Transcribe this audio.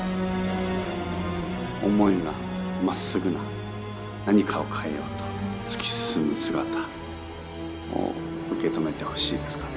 思いがまっすぐな何かを変えようと突き進む姿を受け止めてほしいですかね。